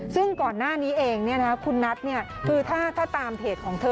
ซึ่งก่อนหน้านี้เองคุณนัทคือถ้าตามเพจของเธอ